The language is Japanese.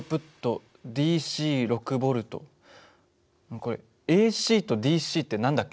これＡＣとＤＣって何だっけ？